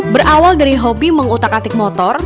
berawal dari hobi mengutak atik motor